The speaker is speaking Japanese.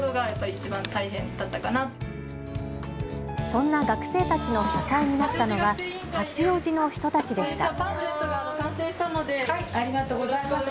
そんな学生たちの支えになったのは八王子の人たちでした。